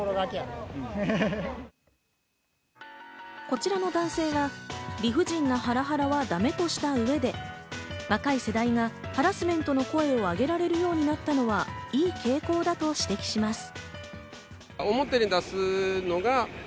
こちらの男性は理不尽なハラハラはダメとした上で、若い世代なハラスメントの声をあげられるようになったのはいい傾向だと指摘します。